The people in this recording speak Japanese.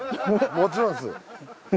もちろんです。